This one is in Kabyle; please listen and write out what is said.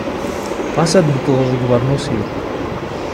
Xas ad tneṭḍeḍ deg ubeṛnus-iw.